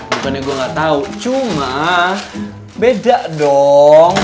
bukannya gue gak tau cuma beda dong